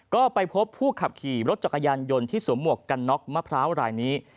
ก็ไปพบผู้ขับขี่รถจักรยานยนต์ที่สวมหมวกกันน็อกมะพร้าวรายนี้